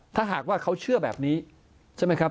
ถ้าหากว่าเขาเชื่อแบบนี้ใช่ไหมครับ